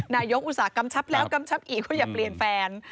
อุตส่าหกำชับแล้วกำชับอีกว่าอย่าเปลี่ยนแฟน